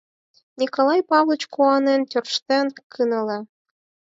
Николай Павлыч куанен тӧрштен кынеле.